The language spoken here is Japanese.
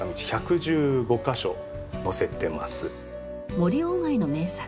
森外の名作